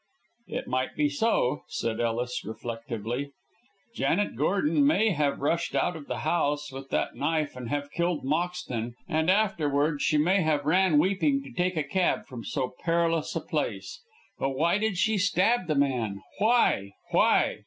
"It might be so," said Ellis, reflectively. "Janet Gordon may have rushed out of the house with that knife and have killed Moxton, and afterwards she may have ran weeping to take a cab from so perilous a place. But why did she stab the man? Why? Why?"